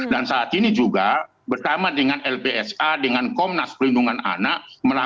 dan saat ini juga bersama dengan lpsa dengan komnas perlindungan anak